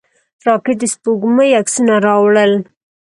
راکټ د سپوږمۍ عکسونه راوړل